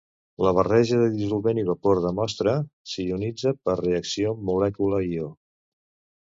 La barreja de dissolvent i vapor de mostra s'ionitza per reacció molècula-ió.